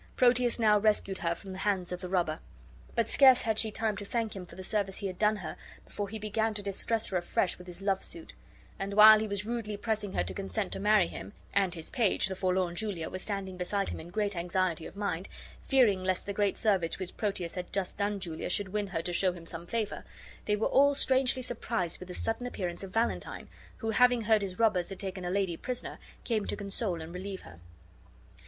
Proteus now rescued her from the hands the robber; but scarce had she time to thank him for the service he had done her before be began to distress her afresh with his love suit; and while he was rudely pressing her to consent to marry him, and his page (the forlorn Julia) was standing beside him in great anxiety of mind, fearing lest the great service which Proteus had just done to Silvia should win her to show him some favor, they were all strangely surprised with the sudden appearance of Valentine, who, having heard his robbers had taken a lady prisoner, came to console and relieve her.